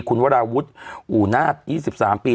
คุณวราวุฒิอูนาศ๒๓ปี